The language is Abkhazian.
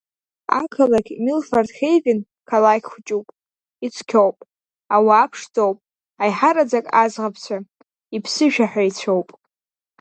Ақалақь Милфорд-Хеивен қалақь хәҷуп, ицқьоуп, ауаа ԥшӡоуп аиҳараӡак аӡӷабцәа, иԥсышәаҳәаҩцәоуп.